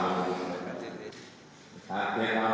jangan ada yang diselamatkan